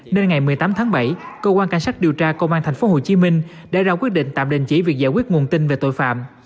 nên ngày một mươi tám tháng bảy cơ quan cảnh sát điều tra công an tp hcm đã ra quyết định tạm đình chỉ việc giải quyết nguồn tin về tội phạm